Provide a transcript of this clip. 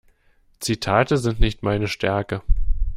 Zitate sind nicht meine Stärke.